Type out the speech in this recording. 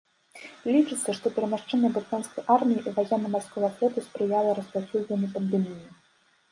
Лічыцца, што перамяшчэнне брытанскай арміі і ваенна-марскога флоту спрыяла распаўсюджванню пандэміі.